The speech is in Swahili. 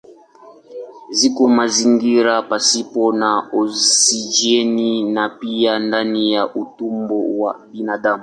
Ziko mazingira pasipo na oksijeni na pia ndani ya utumbo wa binadamu.